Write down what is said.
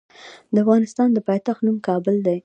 د افغانستان د پايتخت نوم کابل دی.